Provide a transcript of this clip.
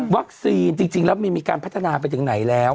วัคซีนจริงแล้วมันมีการพัฒนาไปอย่างไหนแล้ว